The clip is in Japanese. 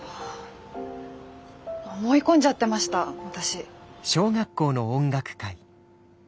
思い込んじゃってました私。